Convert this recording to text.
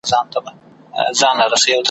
ويل مه كوه پوښتنه د وگړو ,